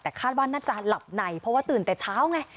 แต่คาดว่าน่าจะหลับในเพราะว่าตื่นแต่เช้าไง